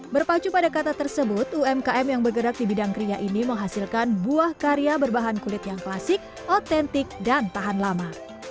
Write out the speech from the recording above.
berpacu pada kata tersebut umkm yang bergerak di bidang kriya ini menghasilkan buah karya berbahan kulit yang klasik otentik dan tahan lama